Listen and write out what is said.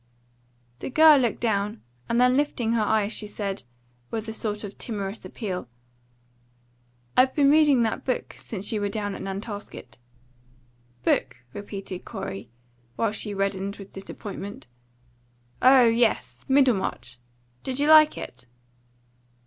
The girl looked down, and then lifting her eyes she said, with a sort of timorous appeal "I've been reading that book since you were down at Nantasket." "Book?" repeated Corey, while she reddened with disappointment. "Oh yes. Middlemarch. Did you like it?"